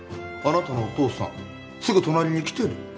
あなたのお父さんすぐ隣に来てる